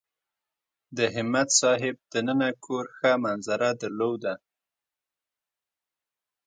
د همت صاحب دننه کور ښه منظره درلوده.